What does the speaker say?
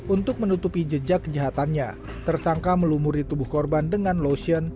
untuk menutupi jejak kejahatannya tersangka melumuri tubuh korban dengan lotion